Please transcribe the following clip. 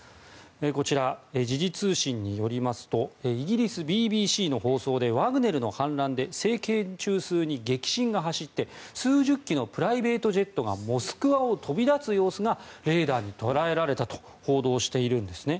こちら、時事通信によりますとイギリスＢＢＣの放送でワグネルの反乱で政権中枢に激震が走って数十機のプライベートジェットがモスクワを飛び立つ様子がレーダーに捉えられたと報道しているんですね。